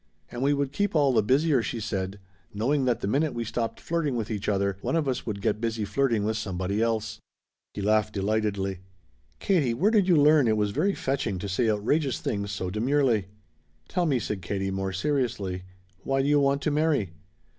"And we would keep all the busier," she said, "knowing that the minute we stopped flirting with each other one of us would get busy flirting with somebody else." He laughed delightedly. "Katie, where did you learn it was very fetching to say outrageous things so demurely?" "Tell me," said Katie, more seriously, "why do you want to marry?"